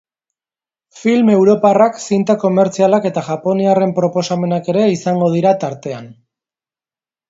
Film europarrak, zinta komertzialak eta japoniarren proposamenak ere izango dira tartean.